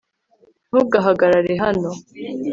ntugahagarare hano